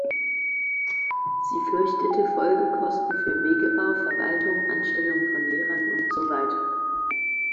Sie fürchtete Folgekosten für Wegebau, Verwaltung, Anstellung von Lehrern usw.